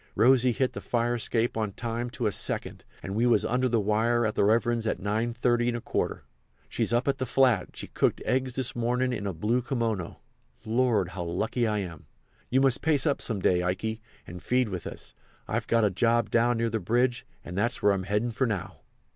"Rosy hit the fire escape on time to a second, and we was under the wire at the Reverend's at 9.30¼. She's up at the flat—she cooked eggs this mornin' in a blue kimono—Lord! how lucky I am! You must pace up some day, Ikey, and feed with us. I've got a job down near the bridge, and that's where I'm heading for now."